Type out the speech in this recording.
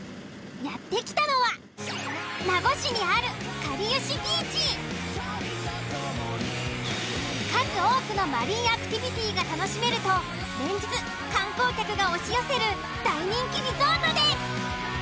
やって来たのは名護市にある数多くのマリンアクティビティが楽しめると連日観光客が押し寄せる大人気リゾートです。